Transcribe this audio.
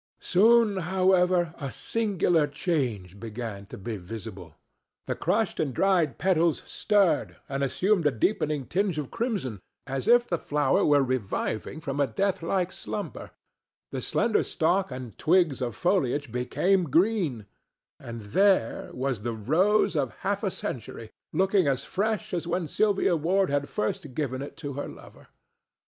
Soon, however, a singular change began to be visible. The crushed and dried petals stirred and assumed a deepening tinge of crimson, as if the flower were reviving from a deathlike slumber, the slender stalk and twigs of foliage became green, and there was the rose of half a century, looking as fresh as when Sylvia Ward had first given it to her lover.